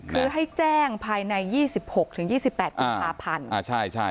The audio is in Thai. คือให้แจ้งภายใน๒๖๒๘อาทิตย์กุ๑๐๐๐๐บาท